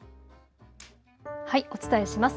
お伝えします。